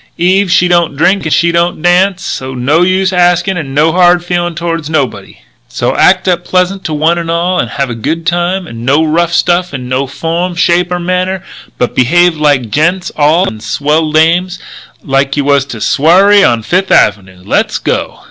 Eve, she don't drink and she don't dance, so no use askin' and no hard feelin' toward nobody. "So act up pleasant to one and all and have a good time and no rough stuff in no form, shape or manner, but behave like gents all and swell dames, like you was to a swarry on Fifth Avenue. Let's go!"